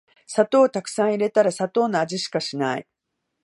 砂糖をたくさん入れたら砂糖の味しかしない